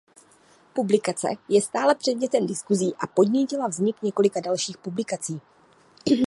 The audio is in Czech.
Publikace je stále předmětem diskusí a podnítila vznik několika dalších publikací.